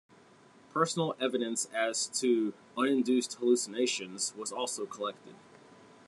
Personal evidence as to uninduced hallucinations was also collected.